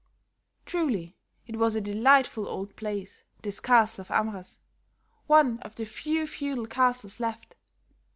Truly it was a delightful old place, this castle of Amras, one of the few feudal castles left.